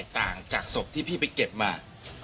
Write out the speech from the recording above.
ต่างจากศพที่พี่ไปเก็บมา